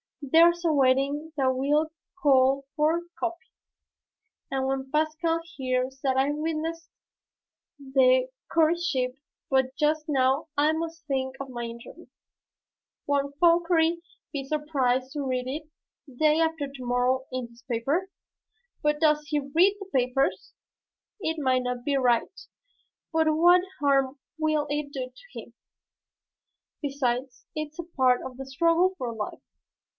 There's a wedding that will call forth copy, and when Pascal hears that I witnessed the courtship but just now I must think of my interview. Won't Fauchery be surprised to read it day after to morrow in his paper? But does he read the papers? It may not be right but what harm will it do him? Besides, it's a part of the struggle for life."